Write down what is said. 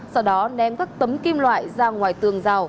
sau đó ném các tấm kim loại ra ngoài tường rào